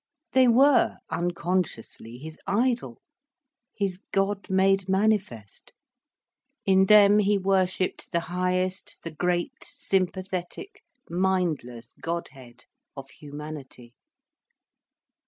They were, unconsciously, his idol, his God made manifest. In them he worshipped the highest, the great, sympathetic, mindless Godhead of humanity.